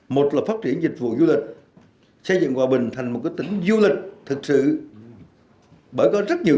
một là phát triển dịch vụ du lịch xây dựng hòa bình thành một tỉnh du lịch thực sự